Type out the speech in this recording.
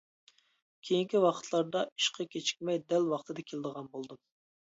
كېيىنكى ۋاقىتلاردا ئىشقا كېچىكمەي دەل ۋاقتىدا كېلىدىغان بولدۇم.